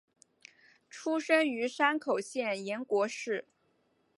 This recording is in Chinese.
出身于山口县岩国市。